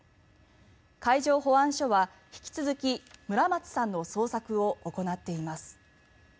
海上保安署は引き続き村松さんの捜索を行っています。